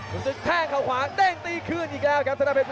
มุมตึกแทงข่าวขวาด้งปีฝึงอีกแล้วครับ